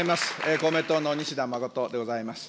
公明党の西田実仁でございます。